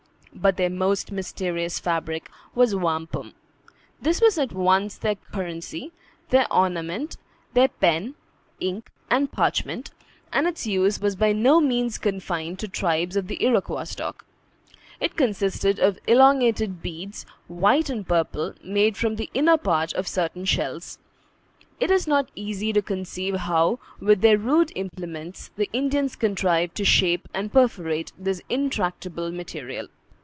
But their most mysterious fabric was wampum. This was at once their currency, their ornament, their pen, ink, and parchment; and its use was by no means confined to tribes of the Iroquois stock. It consisted of elongated beads, white and purple, made from the inner part of certain shells. It is not easy to conceive how, with their rude implements, the Indians contrived to shape and perforate this intractable material.